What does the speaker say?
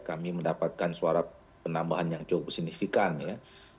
kami mendapatkan suara penambahan yang cukup signifikan ya